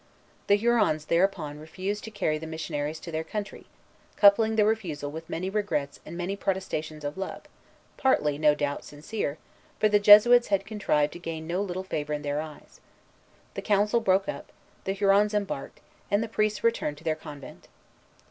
The Hurons thereupon refused to carry the missionaries to their country; coupling the refusal with many regrets and many protestations of love, partly, no doubt, sincere, for the Jesuits had contrived to gain no little favor in their eyes. The council broke up, the Hurons embarked, and the priests returned to their convent.